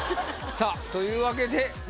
さぁというわけで。